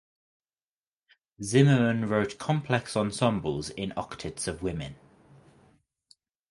Zimmermann wrote complex ensembles in octets of women.